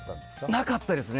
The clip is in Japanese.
なかったですね。